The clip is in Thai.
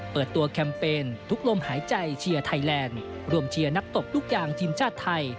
เปิดตัวแคมเปญทุกลมหายใจเชียร์ไทยแลนด์รวมเชียร์นักตบลูกยางทีมชาติไทย